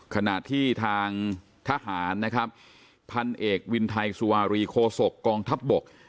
ขณะที่ทางทหารนะครับพันเอกวินไทยสุวารีโคศกกองทัพบก